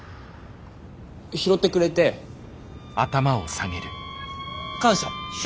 拾ってくれて感謝。